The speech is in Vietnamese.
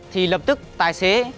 thì lập tức tài xế